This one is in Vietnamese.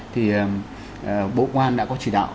thì bộ quan đã có chỉ đạo